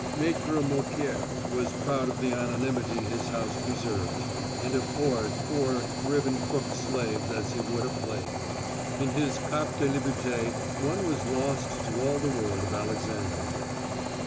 Maitre Mouquère was proud of the anonymity his house preserved, and abhorred poor, driven Cook's slaves as he would a plague. In his Cap de Liberté one was lost to all the world of Alexandria.